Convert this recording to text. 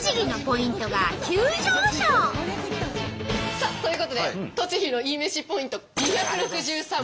さあということで栃木のいいめしポイント２６３。